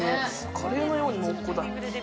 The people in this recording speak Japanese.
カレーのように濃厚だ。